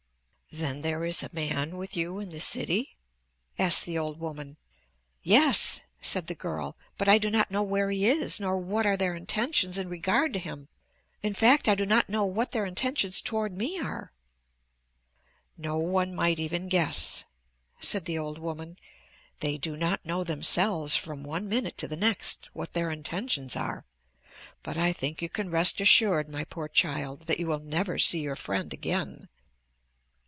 "Then there is a man with you in the city?" asked the old woman. "Yes," said the girl, "but I do not know where he is nor what are their intentions in regard to him. In fact, I do not know what their intentions toward me are." "No one might even guess," said the old woman. "They do not know themselves from one minute to the next what their intentions are, but I think you can rest assured, my poor child, that you will never see your friend again."